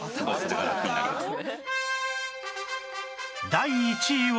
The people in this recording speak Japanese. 第１位は